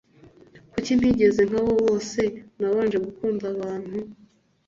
Kuki ntigeze nkabo bose nabanje gukunda ubuntu